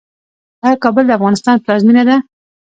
آیا کابل د افغانستان پلازمینه ده؟